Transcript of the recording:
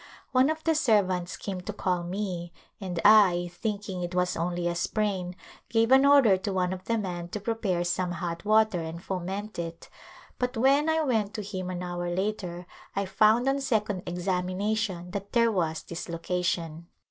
One of the servants came to call me and I, thinking it was only a sprain, gave an order to one of the men to prepare some hot water and foment it, but when I went to him an hour later I found on second examination that there was dislocation.